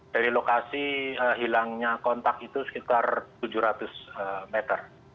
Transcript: dari lokasi hilangnya kontak itu sekitar tujuh ratus meter